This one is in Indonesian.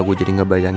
tiu tiu ini dong